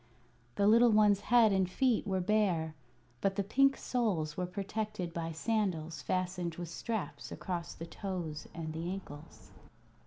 The little one's head and feet were bare, but the pink soles were protected by sandals fastened with straps across the toes and ankles.